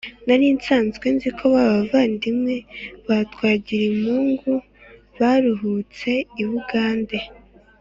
Nari nsanzwe nzi ko ba bavandimwe ba Twagiramungu baturutse i Bugande